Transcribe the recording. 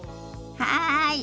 はい！